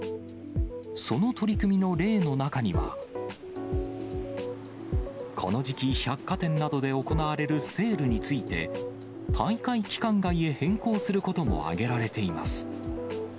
その取り組みの例の中には、この時期、百貨店などで行われるセールについて、大会期間外へ変更することも挙げられています。